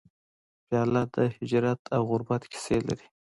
پیاله د هجرت او غربت کیسې لري.